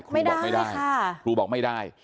ไม่ได้ค่ะครูบอกไม่ได้ครูบอกไม่ได้